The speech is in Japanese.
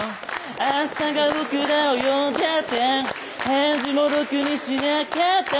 「明日が僕らを呼んだって返事もろくにしなかった」